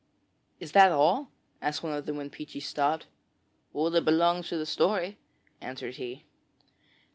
'Is that all?' asked one of them when Peechy stopped. 'All that belongs to the story,' answered he.